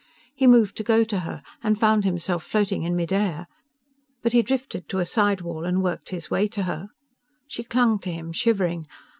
He moved to go to her, and found himself floating in midair. But he drifted to a side wall and worked his way to her. She clung to him, shivering.